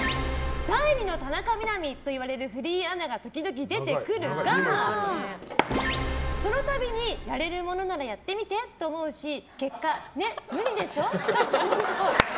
第２の田中みな実といわれるフリーアナが時々出てくるがその度にやれるものならやってみてと思うし結果、ね、無理でしょ？と思うっぽい。